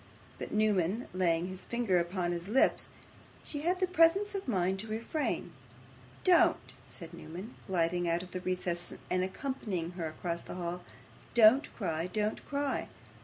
But, Newman laying his finger upon his lips, she had the presence of mind to refrain. 'Don't,' said Newman, gliding out of his recess, and accompanying her across the hall. 'Don't cry, don't cry.